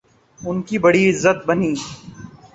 ان کی بڑی عزت بنی۔